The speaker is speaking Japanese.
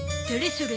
それ。